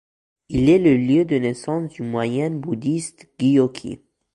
Il est le lieu de naissance du moine bouddhiste Gyōki.